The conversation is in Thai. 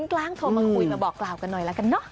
กลางโทรมาคุยมาบอกกล่าวกันหน่อยละกันเนอะ